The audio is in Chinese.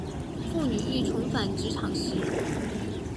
妇女欲重返职场时